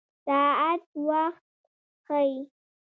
ساعت وخت ښيي